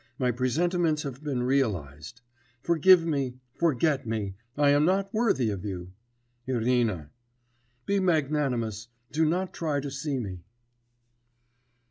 My presentiments have been realised. Forgive me, forget me; I am not worthy of you. Irina. Be magnanimous: do not try to see me.